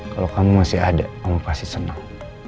kalau kamu masih ada kamu pasti senang